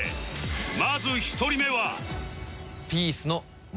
まず１人目は